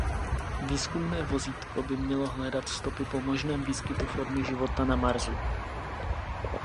Výzkumné vozítko by mělo hledat stopy po možném výskytu formy života na Marsu.